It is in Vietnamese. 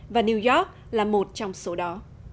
và new york là một trong số đó